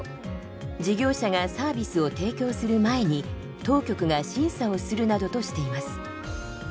事業者がサービスを提供する前に当局が審査をするなどとしています。